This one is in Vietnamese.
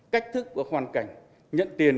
cách thức và hoàn cảnh nhận tiền